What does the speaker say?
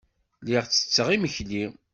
Lliɣ ttetteɣ imekli.